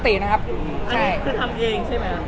อันนี้คือทำเองใช่ไหม